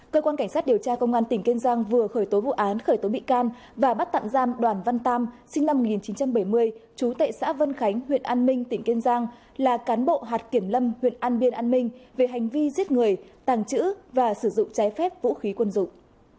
cơ quan cảnh sát điều tra công an tỉnh kiên giang vừa khởi tố vụ án khởi tố bị can và bắt tạm giam đoàn văn tam sinh năm một nghìn chín trăm bảy mươi chú tệ xã vân khánh huyện an minh tỉnh kiên giang là cán bộ hạt kiểm lâm huyện an biên an minh về hành vi giết người tàng trữ và sử dụng trái phép vũ khí quân dụng